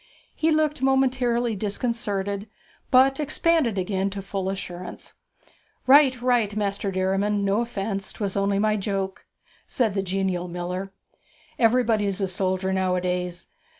He looked momentarily disconcerted, but expanded again to full assurance. 'Right, right, Master Derriman, no offence 'twas only my joke,' said the genial miller. 'Everybody's a soldier nowadays.